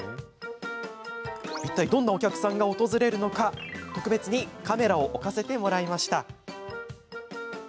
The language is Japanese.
いったい、どんなお客さんが訪れるのか、特別にカメラを置かせてもらいました。